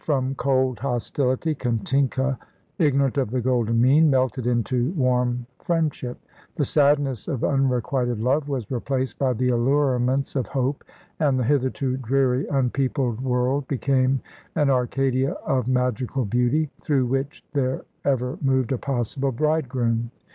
From cold hostility, Katinka, ignorant of the golden mean, melted into warm friendship: the sadness of unrequited love was replaced by the allurements of hope, and the hitherto dreary unpeopled world became an Arcadia of magical beauty, through which there ever moved a possible bridegroom.